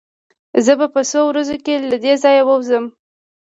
زه به په څو ورځو کې له دې ځايه ووځم.